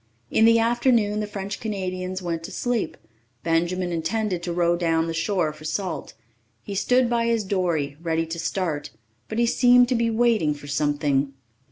In the afternoon the French Canadians went to sleep. Benjamin intended to row down the shore for salt. He stood by his dory, ready to start, but he seemed to be waiting for something.